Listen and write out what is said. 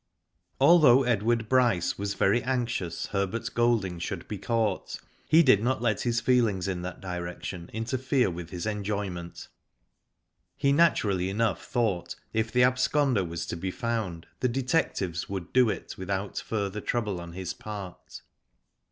Although Edward Bryce was very anxious Her bert Golding should be caught, he did not let his feelings in that direction interfere with his enjoy ment He naturally enough thought if the absconder was to be found the detectives would do it without further trouble on his part.